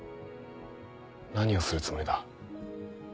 何をするつもりだ？